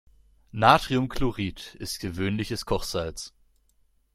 Natriumchlorid ist gewöhnliches Kochsalz.